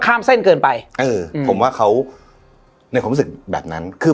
ข้ามเส้นเกินไปเออผมว่าเขาในความรู้สึกแบบนั้นคือ